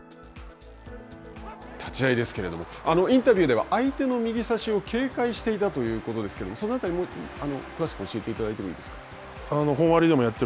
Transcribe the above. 立ち合いですけれども、インタビューでは、相手の右差しを警戒していたということですけれども、そのあたり、詳しく教えていただいてもいいですか。